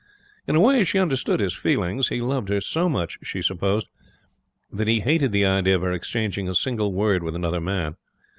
In a way she understood his feelings. He loved her so much, she supposed, that he hated the idea of her exchanging a single word with another man.